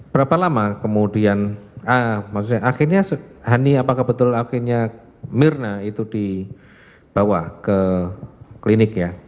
berapa lama kemudian maksudnya akhirnya hani apakah betul akhirnya mirna itu dibawa ke klinik ya